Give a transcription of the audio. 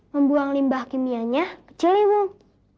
membuang limbah kimianya ke ciliwung